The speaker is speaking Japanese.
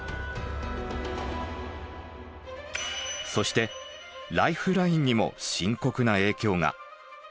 そしてライフラインにも深刻な影響が。